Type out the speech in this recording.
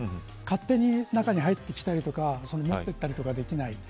勝手に中に入ってきたり持っていったりできない。